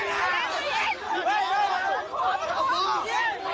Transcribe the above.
ไอล้อนรุมโหล